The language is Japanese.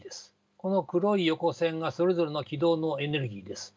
この黒い横線がそれぞれの軌道のエネルギーです。